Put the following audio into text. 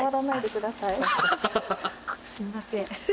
すみません。